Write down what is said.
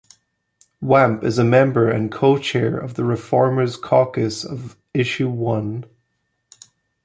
Wamp is a member and co-chair of the ReFormers Caucus of Issue One.